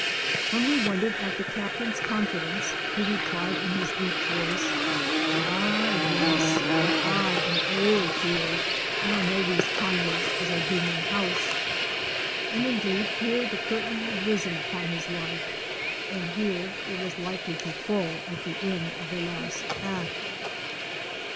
When we wondered at the Captain's confidence, he replied in his deep voice, "Ah yes! — but I am old here and I know these cafios as Ido my house." And indeed here the curtain had risen upon his life and here it was likely to fall at the end of the last act.